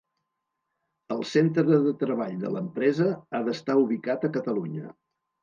El centre de treball de l'empresa ha d'estar ubicat a Catalunya.